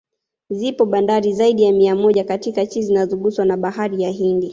Zipo bandari zaidi ya mia moja katika chi zinazoguswa na Bahari ya Hindi